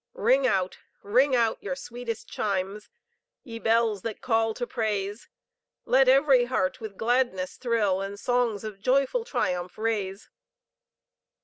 Ring out! ring out! your sweetest chimes, Ye bells, that call to praise; Let every heart with gladness thrill, And songs of joyful triumph raise.